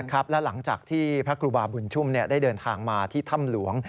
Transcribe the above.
และหลังจากที่พระครูบาบุญชุ่มได้เดินทางมาที่ถ้ำหลวง